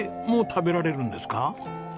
もう食べられるんですか？